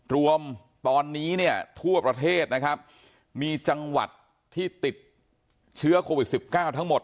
รวมตอนนี้เนี่ยทั่วประเทศนะครับมีจังหวัดที่ติดเชื้อโควิด๑๙ทั้งหมด